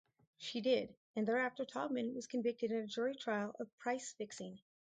She did, and thereafter Taubman was convicted in a jury trial of price fixing.